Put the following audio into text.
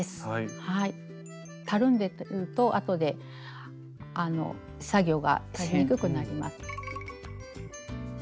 たるんでるとあとであの作業がしにくくなります。